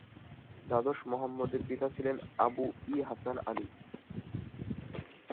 দ্বাদশ মোহাম্মদের পিতা ছিলেন আবু-ই-হাসান আলী।